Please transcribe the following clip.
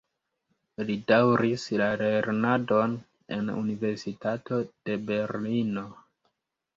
Li daŭris la lernadon en Universitato de Berlino.